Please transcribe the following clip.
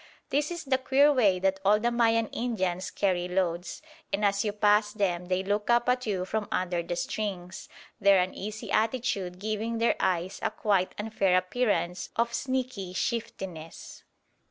This is the queer way that all the Mayan Indians carry loads; and as you pass them they look up at you from under the strings, their uneasy attitude giving their eyes a quite unfair appearance of sneaky shiftiness.